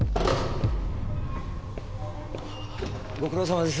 ご苦労さまです。